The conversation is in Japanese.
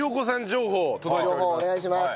情報お願いします！